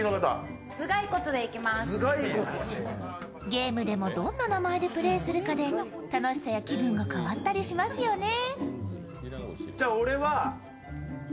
ゲームでもどんな名前でプレーするかで楽しさや気分が変わったりしますよね。